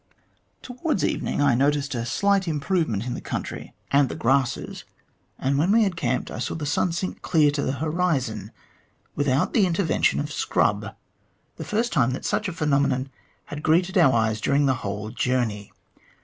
" Towards evening I noticed a slight improvement in the country 88 THE GLADSTONE COLONY and the grasses, and when we had camped, I saw the sun sink clear to the horizon without the intervention of scrub, the first time that such a phenomenon had greeted our eyes during the whole journey.